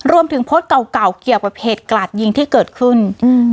โพสต์เก่าเก่าเกี่ยวกับเหตุกลาดยิงที่เกิดขึ้นอืม